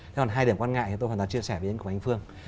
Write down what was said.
thế còn hai điểm quan ngại tôi hoàn toàn chia sẻ với anh phương